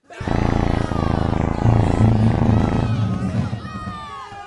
وَلِغَيْرِك نُورُهُ